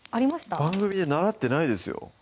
番組で習ってないですよ